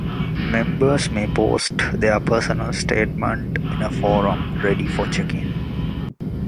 Members may post their personal statement in a forum ready for checking.